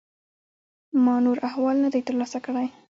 ما نور احوال نه دی ترلاسه کړی.